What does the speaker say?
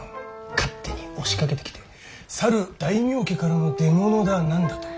勝手に押しかけてきてさる大名家からの出物だ何だと。